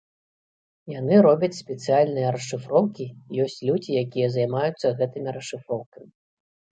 Яны робяць спецыяльныя расшыфроўкі, ёсць людзі, якія займаюцца гэтымі расшыфроўкамі.